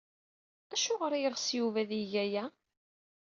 Acuɣer ay yeɣs Yuba ad yeg aya?